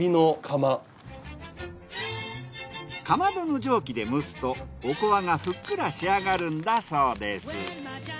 かまどの蒸気で蒸すとおこわがふっくら仕上がるんだそうです。